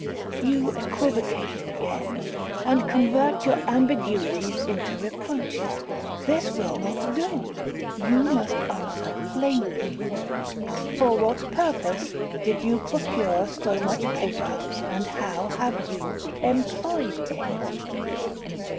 'You equivocate again, and convert your ambiguities into reproaches—this will not do—you must answer plainly: For what purpose did you procure so much paper, and how have you employed it?'